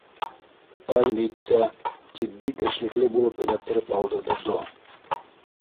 —Әлбиттә, —тип бик эшлекле булып эләктереп алды Додо.